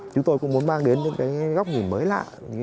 chúng tôi cũng muốn mang đến những cái góc nhìn mới lạ